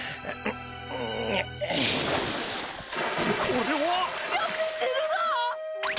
これは！やせてるだ！